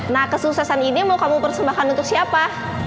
nah kesuksesan ini mau kamu persembahkan untuk siapa